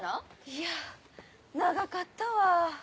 いや長かったわ。